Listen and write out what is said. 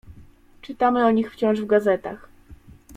"Czytamy o nich wciąż w gazetach."